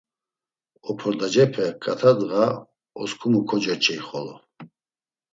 “Opordacepe ǩat̆a ndğa osǩumu kocoç̌ey xolo.”